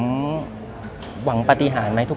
พี่นิวว่าปฏิหารอะไรครับ